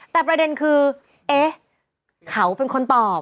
แต่ประเด็นคือเอ๊ะเขาเป็นคนตอบ